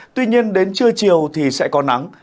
tuy nhiên đến trưa chiều thì sẽ có nắng